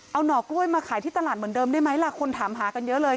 เอาหน่อกล้วยมาขายที่ตลาดเหมือนเดิมได้ไหมล่ะคนถามหากันเยอะเลย